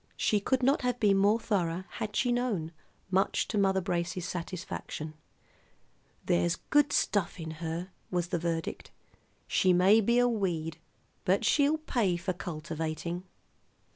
She could not have been more thorough, had she known, much to Mother Brace's satisfaction. "There's good stuff in her," was the verdict. "She may be a weed, but she'll pay for cultivating."